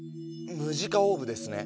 「ムジカオーブ」ですね。